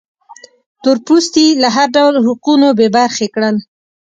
تور پوستي له هر ډول حقونو بې برخې کړل.